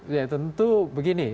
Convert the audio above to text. ya tentu begini